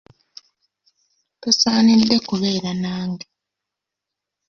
Tosaanidde kubeera nange.